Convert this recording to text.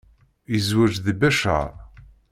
Yezweǧ deg Beccaṛ.